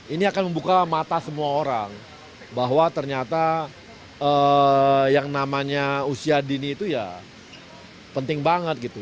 ini akan membuka mata semua orang bahwa ternyata yang namanya usia dini itu ya penting banget gitu